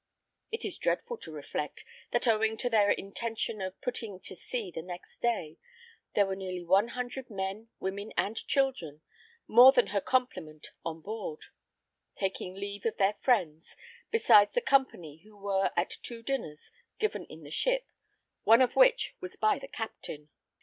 It is dreadful to reflect, that owing to their intention of putting to sea the next day, there were nearly one hundred men, women and children, more than her complement on board, taking leave of their friends, besides the company who were at two dinners given in the ship, one of which was by the captain.